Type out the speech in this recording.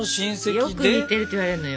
よく似てるって言われるのよ。